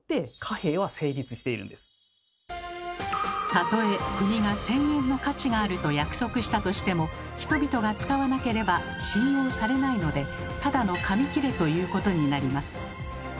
たとえ国が１，０００円の価値があると約束したとしても人々が使わなければ信用されないのでただの紙きれということになります。